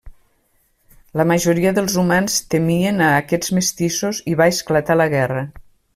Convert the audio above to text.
La majoria dels humans temien a aquests mestissos i va esclatar la guerra.